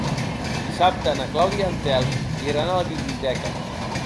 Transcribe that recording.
Dissabte na Clàudia i en Telm iran a la biblioteca.